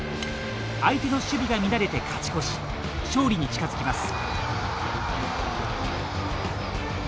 相手の守備が乱れて勝ち越し勝利に近づきます。